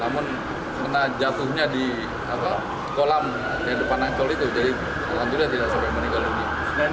namun pernah jatuhnya di kolam yang depan angkol itu jadi orang itu tidak sebaik meninggal lagi